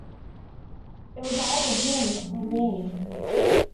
It was either him or me.